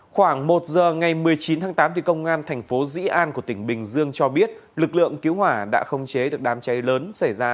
khoảng một giờ ngày một mươi chín tháng tám công an thành phố dĩ an của tỉnh bình dương cho biết lực lượng cứu hỏa đã không chế được đám cháy lớn xảy ra